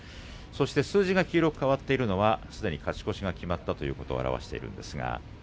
数字が黄色く変わっているのはすでに勝ち越しが決まったということを表しています。